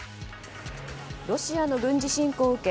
ロシアの軍事侵攻を受け